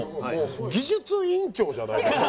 技術委員長じゃないですか？